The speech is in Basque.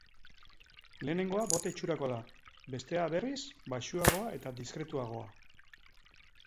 Lehenengoa bota itxurakoa da, bestea, berriz, baxuagoa eta diskretuagoa.